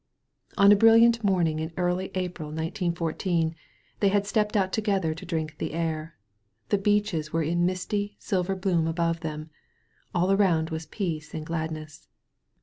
On a brilliant morning of early April, 1914, they had stepped out together to drink the air. The beeches were in misty, silver bloom above them. All around was peace and gladness.